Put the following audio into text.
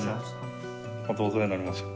お世話になりました。